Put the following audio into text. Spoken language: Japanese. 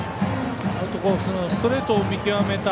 アウトコースのストレートを見極めた